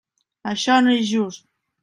Això no és just.